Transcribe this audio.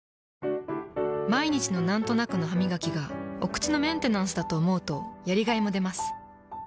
毎日のなんとなくのハミガキがお口のメンテナンスだと思うとやりがいもでます。